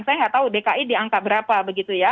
saya nggak tahu dki di angka berapa begitu ya